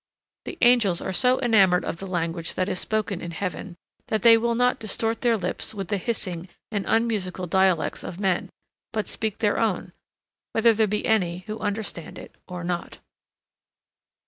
The angels are so enamored of the language that is spoken in heaven that they will not distort their lips with the hissing and unmusical dialects of men, but speak their own, whether there be any who understand it or not.